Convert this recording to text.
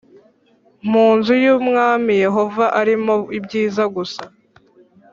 mu nzu y’umwami Yehova arimo ibyiza gusa